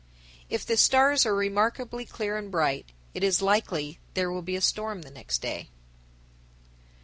_ 1069. If the stars are remarkably clear and bright, it is likely there will be a storm the next day.